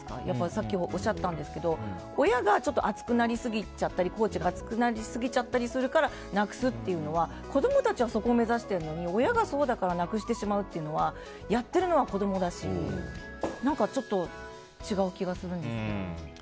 さっきおっしゃっていたんですが親が熱くなりすぎちゃったりコーチが熱くなりすぎちゃったりするからなくすっていうのは、子供たちはそこを目指しているのに親がそうだからなくしてしまうというのはやってるのは子供だしちょっと違う気がするんですよね。